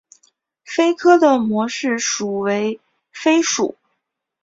鲱科的模式属为鲱属。